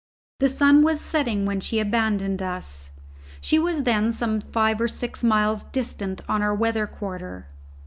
The sun was setting when she abandoned us: she was then some five or six miles distant on our weather quarter.